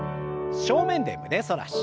正面で胸反らし。